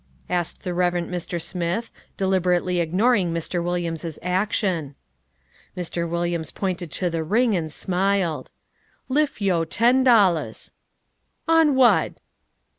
asked the Reverend Mr. Smith, deliberately ignoring Mr. Williams's action. Mr. Williams pointed to the ring and smiled. "Liff yo' ten dollahs." "On whad?"